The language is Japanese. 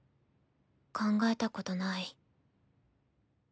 考えたことない。